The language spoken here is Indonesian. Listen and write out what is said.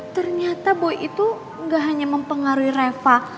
ternyata boy itu nggak hanya mempengaruhi reva